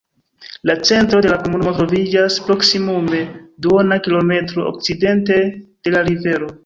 La centro de la komunumo troviĝas proksimume duona kilometro okcidente de la rivero.